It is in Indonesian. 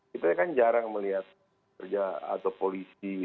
kita kan jarang melihat pekerja atau polisi